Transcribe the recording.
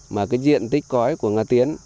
mà cái diện tích cõi của nga tiến